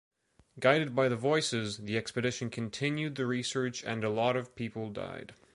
Guided by the voices, the expedition continued the research and a lot of people died.